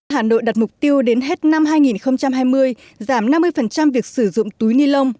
hà nội đặt mục tiêu đến hết năm hai nghìn hai mươi giảm năm mươi việc sử dụng túi ni lông